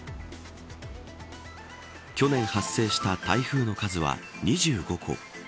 去年発生した台風の数は２５個。